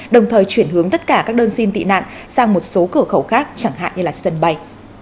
đồng thời chuyển hướng tất cả các đơn xin tị nạn sang một số cửa khẩu khác chẳng hạn như sân bay